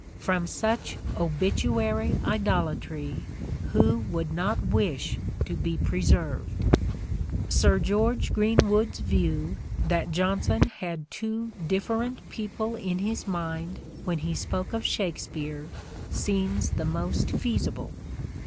From such obituary idolatry who would not wish to be preserved. Sir George Greenwood's view that Jonson had two different people in his mind when he spoke of " Shakespeare " seems the most feasible.